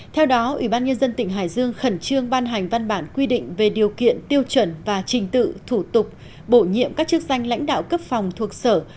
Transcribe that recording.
theo đó ủy ban nhân dân tỉnh hải dương khẩn trương ban hành văn bản quy định về điều kiện tiêu chuẩn và trình tự thủ tục bổ nhiệm các chức danh lãnh đạo cấp phòng thuộc sở